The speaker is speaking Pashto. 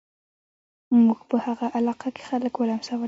موږ په هغه علاقه کې خلک ولمسول.